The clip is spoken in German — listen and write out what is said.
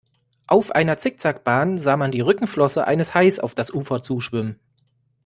Auf einer Zickzack-Bahn sah man die Rückenflosse eines Hais auf das Ufer zuschwimmen.